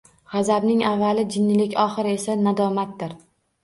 G’azabning avvali jinnilik, oxiri esa, nadomatdir.